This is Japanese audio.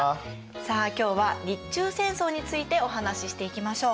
さあ今日は「日中戦争」についてお話ししていきましょう。